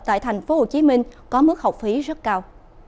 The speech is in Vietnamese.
tại tp hcm có mức học phí rất cao